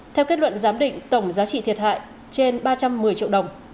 theo kết luận giám định tổng giá trị thiệt hại trên ba trăm một mươi triệu đồng